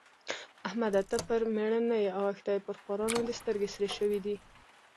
احمده! ته پر مېړه نه يې اوښتی؛ پر خوارانو دې سترګې سرې شوې دي.